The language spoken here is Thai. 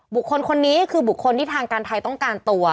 บุคคลคนนี้คือบุคคลที่ทางการไทยต้องการตัว